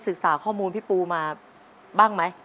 ศึกษาข้อมูลพี่ปูมาบ้างไหม